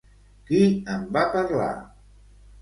Qui en va parlar?